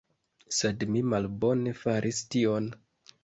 Sed mi malbone faris tion.